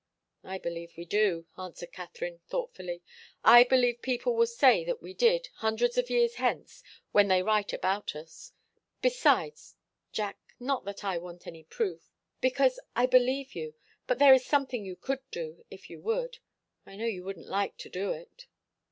"I believe we do," answered Katharine, thoughtfully. "I believe people will say that we did, hundreds of years hence, when they write about us. Besides Jack not that I want any proof, because I believe you but there is something you could do, if you would. I know you wouldn't like to do it."